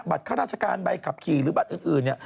บัตรข้าราชการใบขับขี่หรือบัตรอื่น